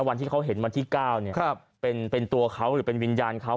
วันที่เขาเห็นวันที่เก้าเนี่ยครับเป็นเป็นตัวเขาหรือเป็นวิญญาณเขา